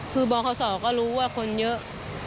คือบอกเขาสอก็รู้ว่าคนเยอะ